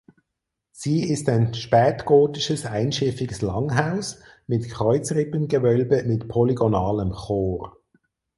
Sie ist ein spätgotisches einschiffiges Langhaus mit Kreuzrippengewölbe mit polygonalem Chor.